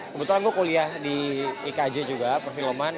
kebetulan aku kuliah di ikj juga perfilman